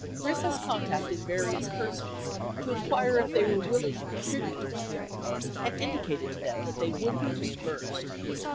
Griffiths contacted various persons to inquire if they were willing to contribute to Humphrey and indicated to them that they would be reimbursed.